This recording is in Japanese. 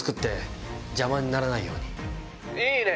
いいね！